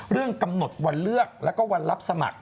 กำหนดวันเลือกแล้วก็วันรับสมัคร